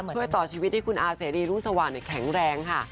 ช่วยต่อชีวิตให้คุณอาเซรีย์รูสวรรค์แข็งแรงค่ะ